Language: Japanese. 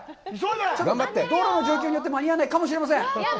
ちょっと道路の状況によっては間に合わないかもしれません。